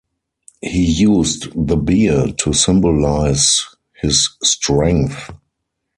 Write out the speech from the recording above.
He used the bear to symbolize his strength.